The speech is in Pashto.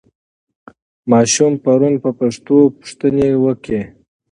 ماشوم پرون په پښتو پوښتنه وکړه.